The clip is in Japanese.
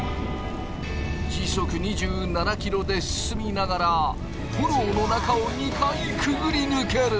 時速２７ｋｍで進みながら炎の中を２回くぐり抜ける。